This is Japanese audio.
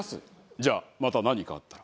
じゃあまた何かあったら。